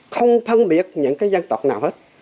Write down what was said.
không phân biệt những cái dân tộc nào hết